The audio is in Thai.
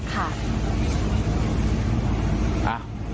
ค่ะ